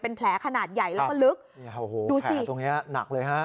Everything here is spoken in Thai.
เป็นแผลขนาดใหญ่แล้วก็ลึกโอโหแผลตรงนี้หนักเลยค่ะ